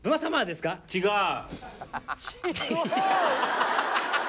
「違う」